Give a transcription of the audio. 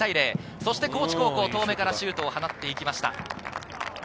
そして高知高校、遠めからシュートを放っていきました。